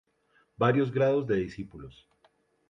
Varios grados de discípulos.